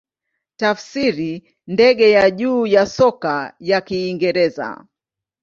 Tafsiri ndege ya juu ya soka ya Kiingereza.